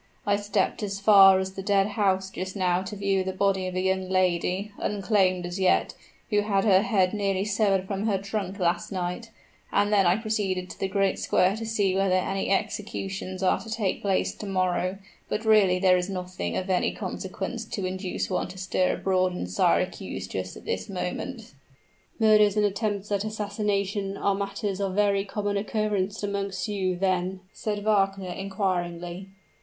I stepped as far as the dead house just now to view the body of a young lady, unclaimed as yet, who had her head nearly severed from her trunk last night; and then I proceeded to the great square to see whether any executions are to take place to morrow; but really there is nothing of any consequence to induce one to stir abroad in Syracuse just at this moment." "Murders and attempts at assassination are matters of very common occurrence amongst you, then?" said Wagner, inquiringly.